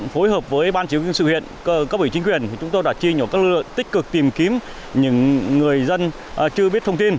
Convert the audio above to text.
phối hợp với ban chỉ huy quân sự huyện cấp ủy chính quyền chúng tôi đã chi nhóm các lực lượng tích cực tìm kiếm những người dân chưa biết thông tin